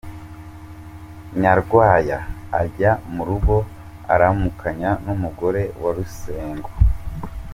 Nyarwaya ajya mu rugo aramukanya n’umugore wa Rusengo.